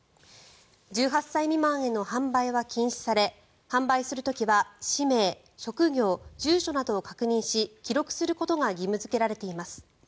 １８歳未満への販売は禁止され販売する時は氏名、職業、住所などを確認し記録することが義務付けられています。